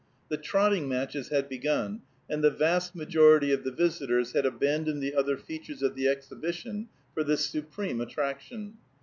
The trotting matches had begun, and the vast majority of the visitors had abandoned the other features of the exhibition for this supreme attraction.